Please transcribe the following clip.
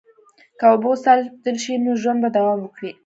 که اوبه وساتل شي، نو ژوند به دوام وکړي.